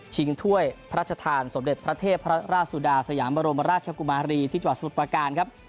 ถ้วยพระราชทานสมเด็จพระเทพราชสุดาสยามบรมราชกุมารีที่จังหวัดสมุทรประการครับ